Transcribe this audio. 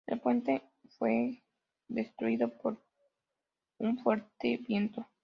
El puente fue destruido por un fuerte viento.